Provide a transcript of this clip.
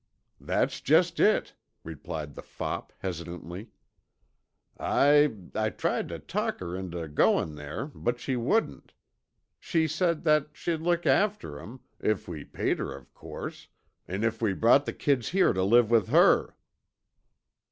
"That's just it," replied the fop hesitantly. "I I tried tuh talk her intuh goin' there, but she wouldn't. She said that she'd look after 'em, if we paid her of course, an' if we brought the kids here tuh live with her."